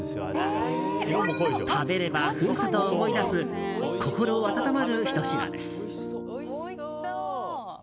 食べれば故郷を思い出す心温まるひと品です。